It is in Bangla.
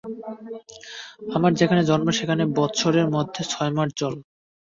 আমার যেখানে জন্ম, সেখানে বৎসরের মধ্যে ছয়মাস জল।